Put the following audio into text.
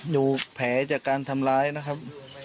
ดูแผลจากการทำร้ายนะครับ